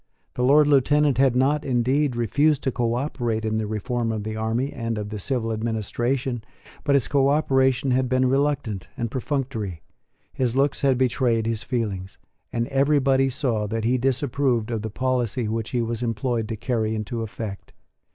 The Lord Lieutenant had not, indeed, refused to cooperate in the reform of the army and of the civil administration; but his cooperation had been reluctant and perfunctory: his looks had betrayed his feelings; and everybody saw that he disapproved of the policy which he was employed to carry into effect.